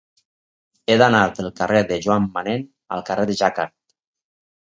He d'anar del carrer de Joan Manén al carrer de Jacquard.